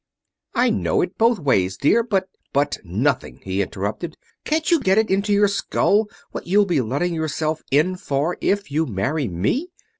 "I know it, both ways, dear, but...." "But nothing!" he interrupted. "Can't you get it into your skull what you'll be letting yourself in for if you marry me?